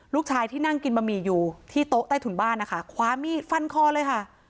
ลูกชายที่นั่งกินบะหมี่อยู่ที่โต๊ะใต้ถุนบ้านนะคะคว้ามีดฟันคอเลยค่ะ